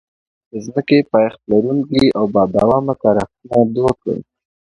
د ځمکې پایښت لرونکې او بادوامه کار اخیستنه دود کړي.